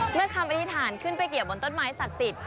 คำอธิษฐานขึ้นไปเกี่ยวบนต้นไม้ศักดิ์สิทธิ